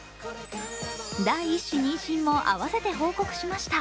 第１子妊娠も合わせて報告しました